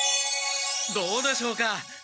どうでしょうか？